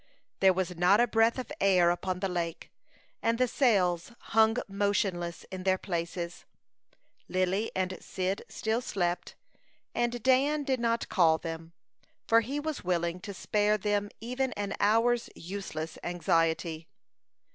There was not a breath of air upon the lake, and the sails hung motionless in their places. Lily and Cyd still slept, and Dan did not call them; for he was willing to spare them even an hour's useless anxiety.